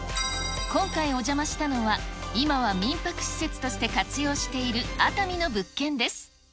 今回、お邪魔したのは、今は民泊施設として活用している熱海の物件です。